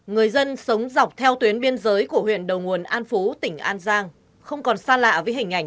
người dân sống dọc theo tuyến biên giới của huyện đầu nguồn an phú tỉnh an giang không còn xa lạ với hình ảnh